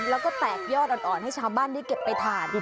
แล้วก็แตกยอดอ่อนให้ชาวบ้านได้เก็บไปทาน